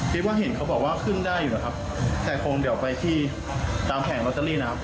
คิดว่าเห็นเขาบอกว่าขึ้นได้อยู่นะครับแต่คงเดี๋ยวไปที่ตามแผงลอตเตอรี่นะครับ